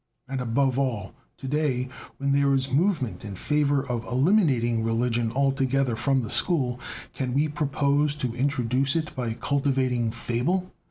And, above all, to day, when there is a movement in favor of eliminating religion altogether from the school, can we propose to introduce it by cultivating fable?